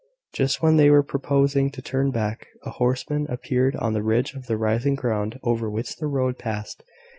Just when they were proposing to turn back, a horseman appeared on the ridge of the rising ground, over which the road passed.